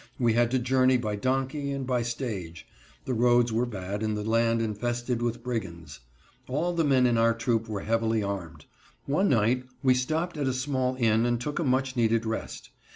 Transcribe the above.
We had to journey by donkey and by stage; the roads were bad and the land infested with brigands. All the men in our troupe were heavily armed. One night we stopped at a small inn and took a much needed rest.